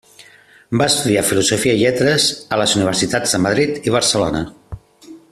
Va estudiar Filosofia i Lletres a les universitats de Madrid i Barcelona.